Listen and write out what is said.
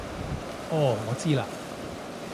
哦我知喇